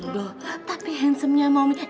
lho tapi handsomenya mau minta